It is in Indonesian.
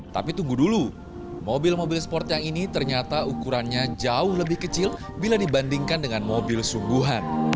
tapi tunggu dulu mobil mobil sport yang ini ternyata ukurannya jauh lebih kecil bila dibandingkan dengan mobil sungguhan